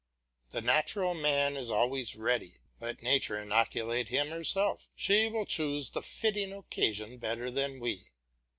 The natural man is always ready; let nature inoculate him herself, she will choose the fitting occasion better than we.